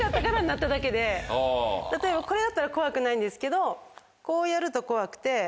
例えばこれだったら怖くないんですけどこうやると怖くて。